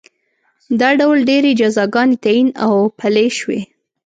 دا ډول ډېرې جزاګانې تعین او پلې شوې